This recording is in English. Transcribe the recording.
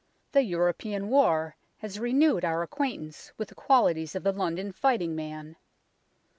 The European War has renewed our acquaintance with the qualities of the London fighting man.